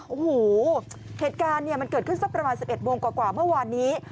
โอ้โหเหตุการณ์เนี่ยมันเกิดขึ้นสักประมาณ๑๑โมงกว่าเมื่อวานนี้